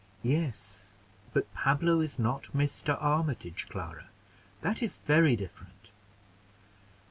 "Yes, but Pablo is not Mr. Armitage, Clara. That is very different."